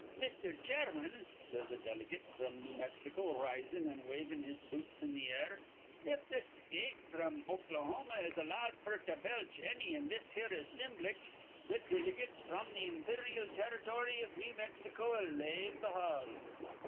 "' 'Mr. Chairman,' says a delegate fr'm New Mexico, risin' an' wavin' his boots in th' air, 'if th' skate fr'm Okalahoma is allowed f'r to belch anny in this here assimblage, th' diligates fr'm th' imperyal Territ'ry iv New Mex ico'll lave th' hall.